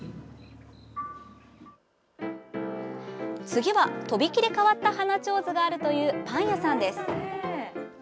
次は、とびきり変わった花手水があるというパン屋さんです。